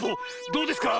どうですか？